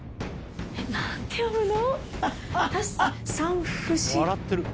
えっ何て読むの？